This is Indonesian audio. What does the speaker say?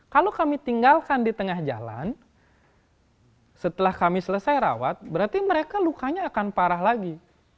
kalau kami tinggalkan di tengah jalan setelah kami selesai rawat berarti mereka lukanya akan parah lagi